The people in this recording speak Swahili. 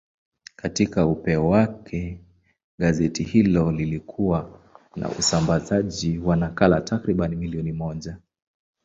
Katika upeo wake, gazeti hilo lilikuwa na usambazaji wa nakala takriban milioni moja.